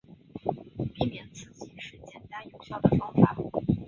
避免刺激是简单有效的方法。